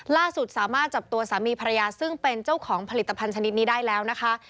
ล่าสุดสามารถจับตัวสามีภรรยาซึ่งเป็นเจ้าของผลิตภัณฑ์ชนิดนี้ได้แล้วนะคะ